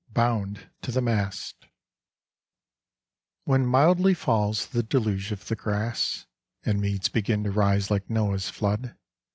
BOUND TO THE MAST When mildly falls the deluge of the grass, And meads begin to rise like Noah's flood.